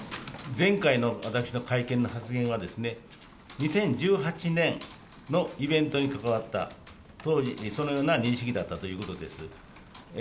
前回の私の会見の発言はですね、２０１８年のイベントに関わった当時、そのような認識だったということです。